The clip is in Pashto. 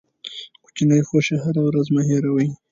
کوچني خوښۍ هره ورځ مه هېروئ.